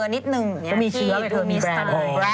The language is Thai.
นิดนึงมีชื่อมีแบรนด์